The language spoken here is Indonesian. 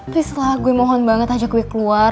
please lah gue mohon banget ajak gue keluar